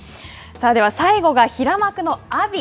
では、最後が平幕の阿炎。